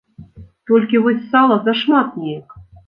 Толькі вось сала зашмат неяк.